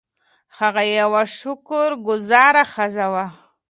هغه یوه شکر ګذاره ښځه وه.